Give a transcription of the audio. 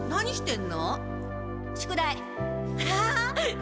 ん？